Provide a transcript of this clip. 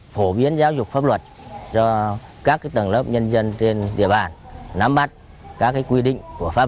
phổ biến giáo dục pháp luật cho các tầng lớp nhân dân trên địa bàn nắm bắt các quy định của pháp